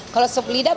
kalau sop lidah